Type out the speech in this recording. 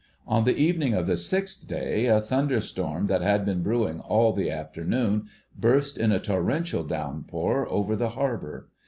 On the evening of the sixth day a thunderstorm that had been brewing all the afternoon burst in a torrential downpour over the harbour.